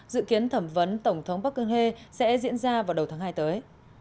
dự kiến thẩm vấn tổng thống park geun hye sẽ diễn ra vào đầu tháng hai tới